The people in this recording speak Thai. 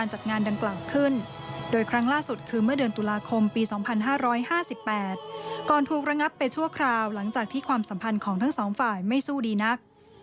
หลังจากที่ความสัมพันธ์ของทั้งสองฝ่ายไม่สู้ดีนัก